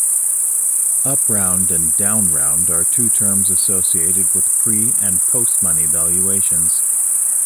Upround and downround are two terms associated with pre- and post-money valuations.